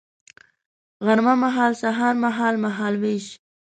غرمه مهال سهار مهال ، مهال ویش